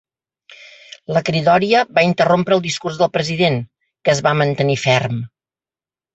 La cridòria va interrompre el discurs del president, que es va mantenir ferm.